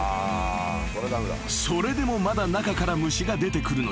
［それでもまだ中から虫が出てくるので］